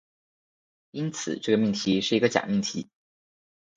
因此，这个命题是一个假命题。